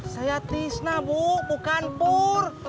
saya tisna bu bukan pur